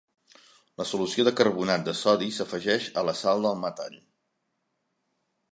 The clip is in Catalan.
La solució de carbonat de sodi s'afegeix a la sal del metall.